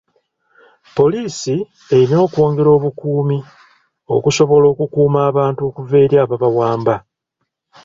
Poliisi erina okwongera obukuumi okusobola okukuuma abantu okuva eri ababawamba.